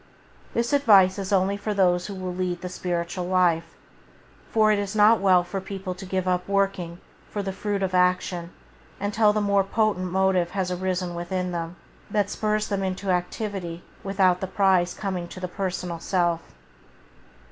This advice is only for those who will to lead the spiritual life, for it is not well for people to give up working for the fruit of action until the more potent motive has arisen within them, that spurs them into activity without the prize coming to the personal self.